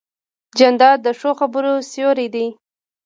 جانداد د ښو خبرو سیوری دی.